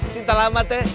cinta lama teh